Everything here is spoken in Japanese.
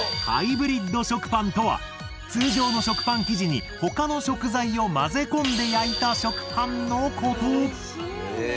ハイブリッド食パンとは通常の食パン生地に他の食材を混ぜ込んで焼いた食パンのこと。